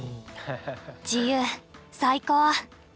自由最高！